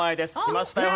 きましたよ